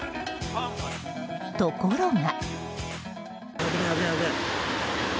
ところが。